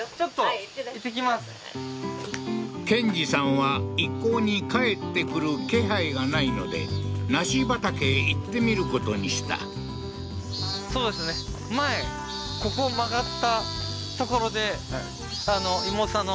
建治さんは一向に帰ってくる気配がないので梨畑へ行ってみることにしたそうですねははははっ